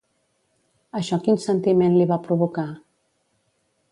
Això quin sentiment li va provocar?